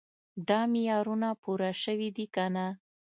دا معیارونه پوره شوي دي که نه.